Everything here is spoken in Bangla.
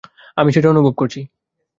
আমি সেটা অনুভব করছি।